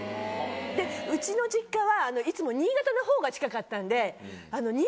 うちの実家はいつも新潟の方が近かったんで。